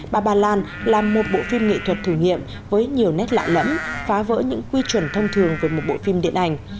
ba bà lan là một bộ phim nghệ thuật thử nghiệm với nhiều nét lạ lẫm phá vỡ những quy chuẩn thông thường về một bộ phim điện ảnh